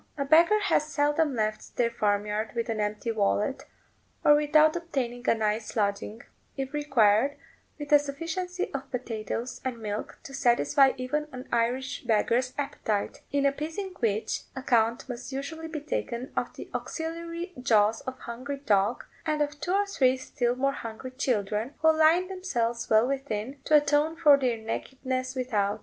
A beggar has seldom left their farm yard with an empty wallet, or without obtaining a night's lodging, if required, with a sufficiency of potatoes and milk to satisfy even an Irish beggar's appetite; in appeasing which, account must usually be taken of the auxiliary jaws of a hungry dog, and of two or three still more hungry children, who line themselves well within, to atone for their nakedness without.